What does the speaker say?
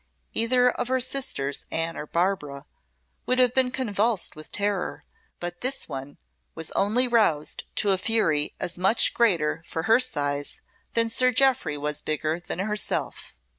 Either of her sisters Anne or Barbara would have been convulsed with terror, but this one was only roused to a fury as much greater for her size than Sir Jeoffry was bigger than herself.